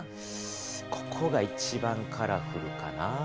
ここが一番カラフルかな？